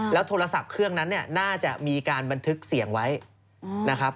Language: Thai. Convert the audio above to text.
โทรศัพท์เครื่องนั้นเนี่ยน่าจะมีการบันทึกเสียงไว้นะครับ